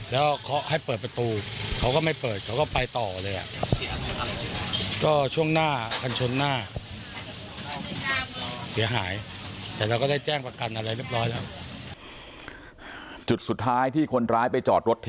แต่เราก็ได้แจ้งประกันอะไรเรียบร้อยแล้วจุดสุดท้ายที่คนร้ายไปจอดรถทิ้งไว้